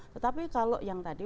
tetapi kalau yang tadi